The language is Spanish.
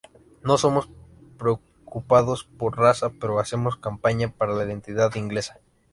No somos preocupados por raza, pero hacemos campaña para la identidad inglesa.